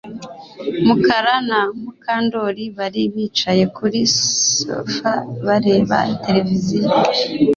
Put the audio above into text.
Mukara na Mukandoli bari bicaye kuri sofa bareba televiziyo